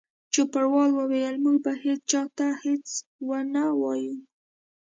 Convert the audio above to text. چوپړوال وویل: موږ به هیڅ چا ته هیڅ ونه وایو.